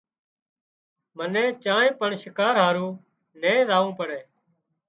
منين چانئين پڻ شڪار هارو نين زاوون پڙي